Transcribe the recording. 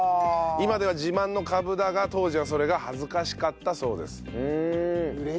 今では自慢のカブだが当時はそれが恥ずかしかったそうです。